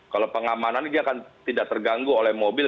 kalau pengamanannya dia kan tidak terganggu oleh mobil